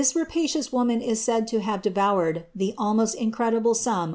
apacious woman is said to have devoured the almost incredible >00,000